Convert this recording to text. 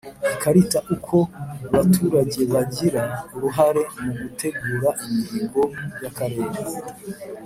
Ikarita uko abaturage bagira uruhare mu gutegura imihigo y akarere